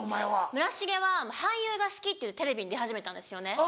村重は俳優が好きってテレビに出始めたんですよね。